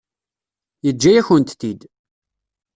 Yeǧǧa-yakent-t-id.